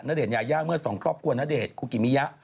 ณเดชนยายาเมื่อสองครอบครัวณเดชน์คุกิมิยะ